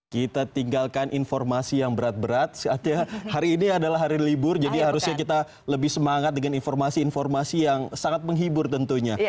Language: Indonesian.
kita tinggalkan informasi yang berat berat saatnya hari ini adalah hari libur jadi harusnya kita lebih semangat dengan informasi informasi yang sangat menghibur tentunya